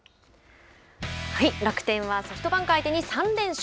楽天はソフトバンク相手に３連勝。